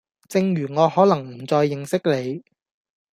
正如我可能唔再認識你